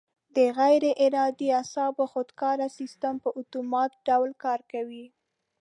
د غیر ارادي اعصابو خودکاره سیستم په اتومات ډول کار کوي.